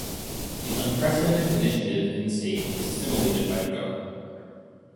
The unprecedented initiative in the state is assimilated by the government.